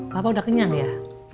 papa udah kenyang ya